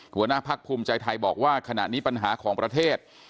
หัวหน้าพักภูมิใจไทยบอกว่าขณะนี้ปัญหาของประเทศ